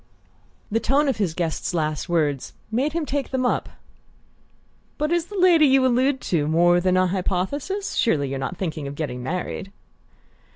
The tone of his guest's last words made him take them up. "But is the lady you allude to more than a hypothesis? Surely you're not thinking of getting married?"